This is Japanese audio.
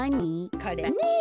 これはね。